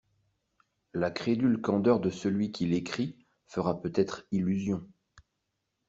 La crédule candeur de celui qui l'écrit, fera peut-être illusion.